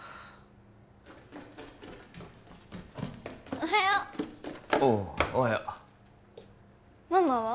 おはようおうおはようママは？